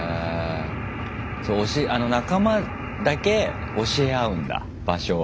そう仲間だけ教え合うんだ場所を。